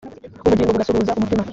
ubugingo bugasuhuza umutima